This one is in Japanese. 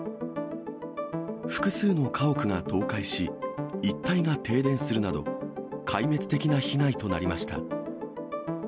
複数の家屋が倒壊し、一帯が停電するなど、壊滅的な被害となりました。